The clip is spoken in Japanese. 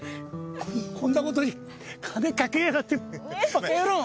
こんなことに金かけやがってバカ野郎。